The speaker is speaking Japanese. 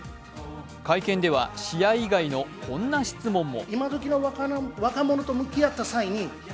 会見では試合以外のこんな質問も。